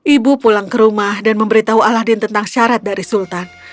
ibu pulang ke rumah dan memberitahu alahdin tentang syarat dari sultan